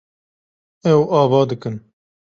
Ew ava dikin.